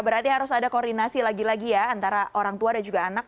berarti harus ada koordinasi lagi lagi ya antara orang tua dan juga anak